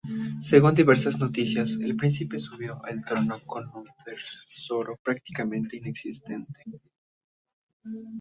Según diversas noticias el príncipe subió al trono con un tesoro prácticamente inexistente.